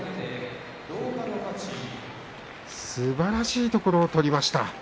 すばらしいところを取りました。